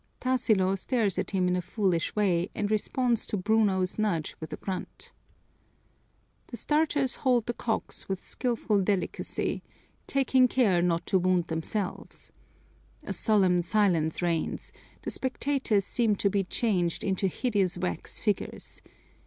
Tarsilo stares at him in a foolish way and responds to Bruno's nudge with a grunt. The starters hold the cocks with skilful delicacy, taking care not to wound themselves. A solemn silence reigns; the spectators seem to be changed into hideous wax figures.